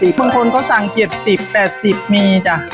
บางคนเขาสั่ง๗๐๘๐มีจ้ะ